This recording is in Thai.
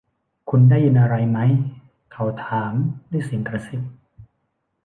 คุณได้ยินอะไรมั้ย เขาถามด้วยเสียงกระซิบ